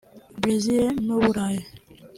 Brezil n’uBurayi